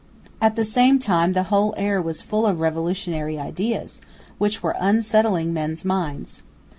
At the same time the whole air was full of revolutionary ideas, which were unsettling men's minds.